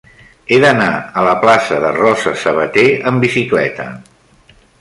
He d'anar a la plaça de Rosa Sabater amb bicicleta.